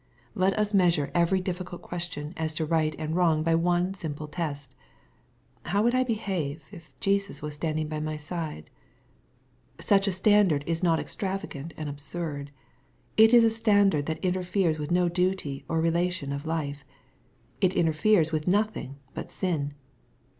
Let us measure every difiScult question as to right and wrong by one simple test, "How would I behave, if Jesus was standing by my side ?" Such a standard is not extravagant and absurd. It is a standard that interferes with no duty or relation of life. It interferes with nothing but sin.